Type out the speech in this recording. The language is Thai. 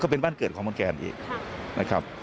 เป็นบ้านเกิดของนกแกนอีก